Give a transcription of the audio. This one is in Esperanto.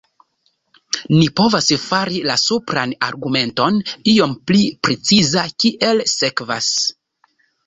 Ni povas fari la supran argumenton iom pli preciza kiel sekvas.